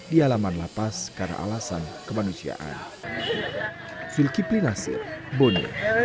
di halaman lapas karena alasan kemanusiaan